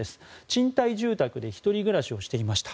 賃貸住宅で１人暮らしをしていました。